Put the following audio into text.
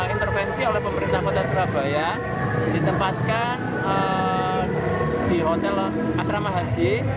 intervensi oleh pemerintah kota surabaya ditempatkan di hotel asrama haji